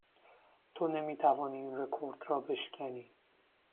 تو نمی توانی این رکورد را بشکنی.